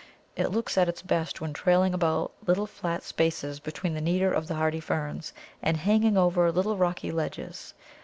It looks at its best when trailing about little flat spaces between the neater of the hardy Ferns, and hanging over little rocky ledges.